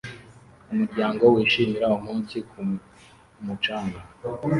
Umuryango wishimira umunsi ku mucanga